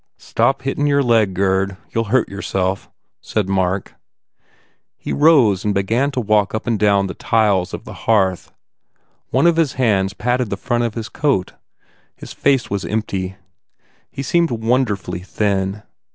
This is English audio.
"Stop hittin your leg, Gurd. You ll hurt your self," said Mark. He rose and began to walk up and down the tiles of the hearth. One of his hands patted the front of his coat. His face was empty. He seemed wonderfully thin.